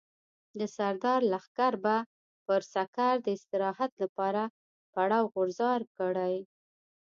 د سردار لښکر به پر سکر د استراحت لپاره پړاو غورځار کړي.